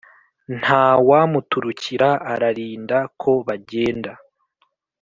Ntawamuturukira, ararinda ko bagenda